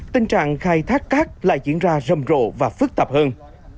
tình trạng khai thác cát lại diễn ra rầm rộ và phức tạp hơn